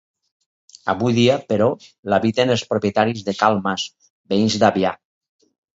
Avui dia, però, l'habiten els propietaris de Cal Mas, veïns d'Avià.